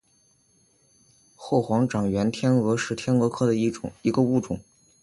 后黄长喙天蛾是天蛾科的一个物种。